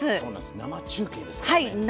生中継ですからね。